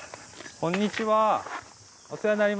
こんにちは。